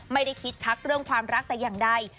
ไม่ได้คิดทักเรื่องความรักแต่อย่างใด